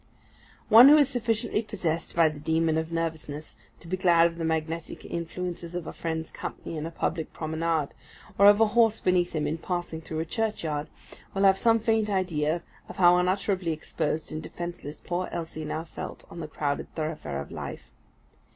One who is sufficiently possessed by the demon of nervousness to be glad of the magnetic influences of a friend's company in a public promenade, or of a horse beneath him in passing through a churchyard, will have some faint idea of how utterly exposed and defenceless poor Elsie now felt on the crowded thoroughfare of life.